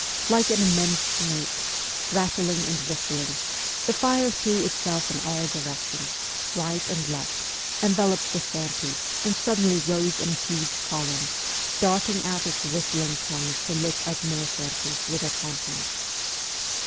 Like an immense snake, rattling and whistling, the fire threw itself in all directions, right and left, enveloped the shanties, and suddenly rose in a huge column, darting out its whistling tongues to lick up more shanties with their contents.